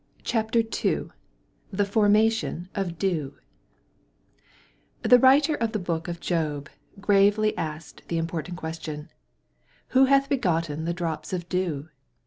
CHAPTER II THE FORMATION OF DEW The writer of the Book of Job gravely asked the important question, "Who hath begotten the drops of dew?"